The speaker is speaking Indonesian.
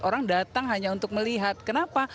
orang datang hanya untuk melihat kenapa